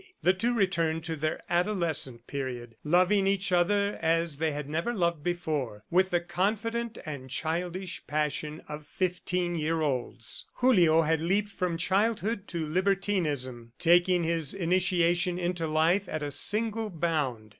... The two returned to their adolescent period, loving each other as they had never loved before, with the confident and childish passion of fifteen year olds. Julio had leaped from childhood to libertinism, taking his initiation into life at a single bound.